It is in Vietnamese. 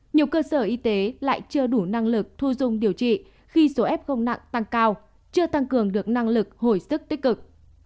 nhiều cơ sở y tế lại chưa đủ năng lực thu dung điều trị khi số f nặng tăng cao chưa tăng cường được năng lực hồi sức tích cực